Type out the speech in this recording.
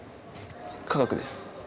化学です。